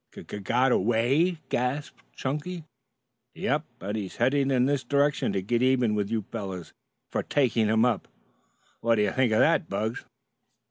"G g g got away?" gasped Chunky. "Yep, and he's heading in this direction to get even with you fellows for taking him up. What d'ye think of that, Bugs?"